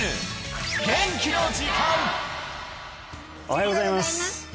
おはようございます